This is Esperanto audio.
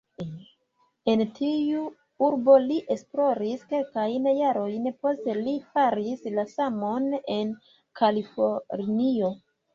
En tiu urbo li esploris kelkajn jarojn, poste li faris la samon en Kalifornio.